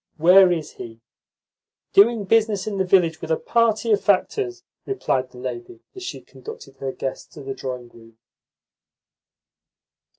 "Where is he?" "Doing business in the village with a party of factors," replied the lady as she conducted her guests to the drawing room.